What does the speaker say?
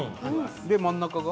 で真ん中が？